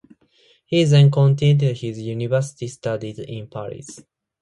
He then continued his university studies in Paris.